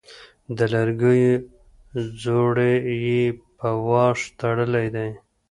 د لرګيو ځوړی يې په واښ تړلی دی